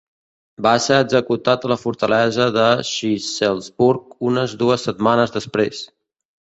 Va ser executat a la fortalesa de Shlisselburg unes dues setmanes després.